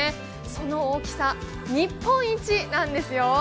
その大きさ、日本一なんですよ。